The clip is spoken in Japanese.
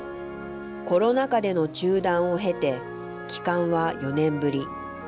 コロナ禍での中断を経て、帰還は４年ぶり。